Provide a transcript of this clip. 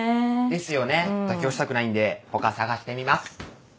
ですよね妥協したくないんで他探してみます。